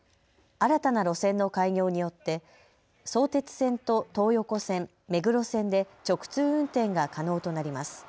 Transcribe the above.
新たな路線の開業によって相鉄線と東横線、目黒線で直通運転が可能となります。